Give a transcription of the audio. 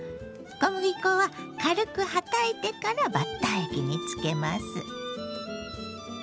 小麦粉は軽くはたいてからバッター液につけます。